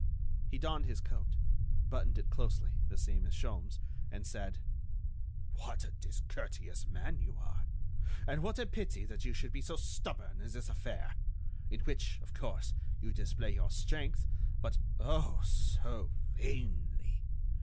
He donned his coat, buttoned it closely, the same as Sholmes, and said: "What a discourteous man you are! And what a pity that you should be so stubborn in this affair, in which, of course, you display your strength, but, oh! so vainly!